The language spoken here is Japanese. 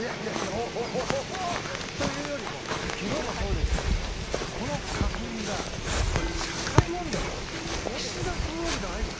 おお！というよりも昨日もそうでしたけどこの花粉が社会問題として岸田総理がああ言った。